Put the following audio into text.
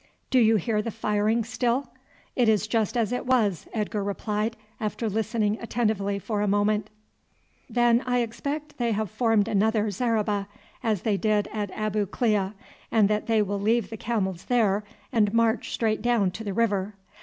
"Do you hear the firing still?" "It is just as it was," Edgar replied, after listening attentively for a minute. "Then I expect they have formed another zareba, as they did at Abu Klea, and that they will leave the camels there and march straight down to the river."